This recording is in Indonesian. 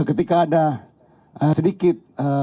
ketika ada sedikit